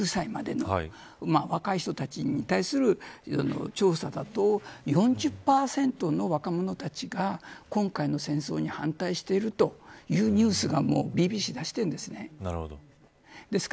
そうすると１８歳から２９歳までの若い人たちに対する調査だと４０％の若者たちが今回の戦争に反対しているというニュースをＢＢＣが出しているんです。